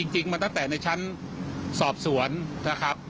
จริงมาตั้งแต่ในชั้นสอบสวนนะครับ